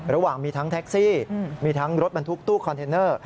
ระหว่างมีทั้งแท็กซี่มีทั้งรถบรรทุกตู้คอนเทนเนอร์